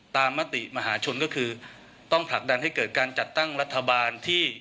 มติมหาชนก็คือต้องผลักดันให้เกิดการจัดตั้งรัฐบาลที่